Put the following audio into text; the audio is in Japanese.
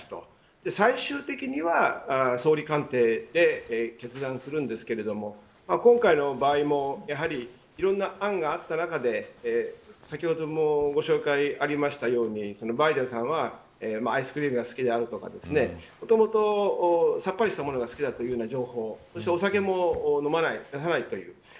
そして、最終的には総理官邸で決断するんですが今回の場合もやはりいろんな案があった中で先ほどもご紹介ありましたようにバイデンさんはアイスクリームが好きであるとかもともとさっぱりしたものが好きだという情報そして、お酒も飲まない出さないという。